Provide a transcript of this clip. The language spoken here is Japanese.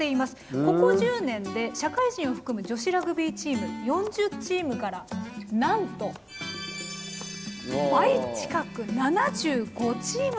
ここ１０年で社会人を含む女子ラグビーチーム４０チームからなんと倍近く７５チームに増えました。